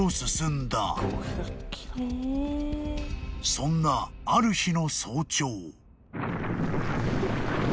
［そんなある日の早朝］